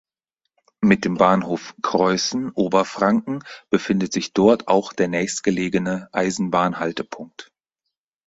Mit dem "Bahnhof Creußen(Oberfr)" befindet sich dort auch der nächstgelegene Eisenbahnhaltepunkt.